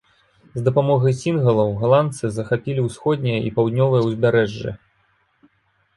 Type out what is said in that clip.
З дапамогай сінгалаў галандцы захапілі ўсходняе і паўднёвае ўзбярэжжы.